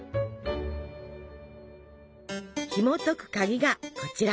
ひもとく鍵がこちら。